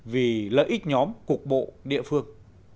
vì lợi ích nhóm cục bộ địa phương